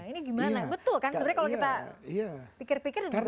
ini gimana betul kan sebenarnya kalau kita pikir pikir